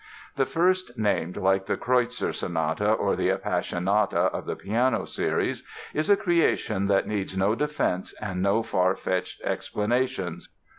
The first named, like the "Kreutzer" Sonata or the "Appassionata" of the piano series, is a creation that needs no defense and no far fetched explanations.